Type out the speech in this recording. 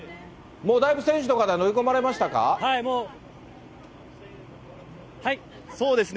もうだいぶ選手の方、乗り込そうですね。